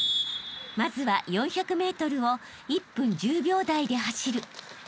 ［まずは４００ｍを１分１０秒台で走る］